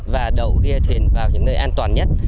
và đậu ghia thuyền vào những nơi an toàn nhất